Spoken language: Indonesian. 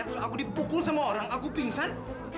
terus aku dipukul sama orang aku pingsan